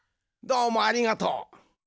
どうもありがとう。